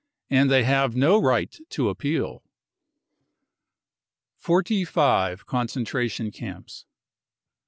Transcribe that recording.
And they have no right to appeal. Forty Five Concentration Camps.